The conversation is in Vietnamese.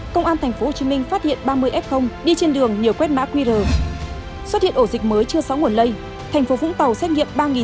cảm ơn quý vị đã theo dõi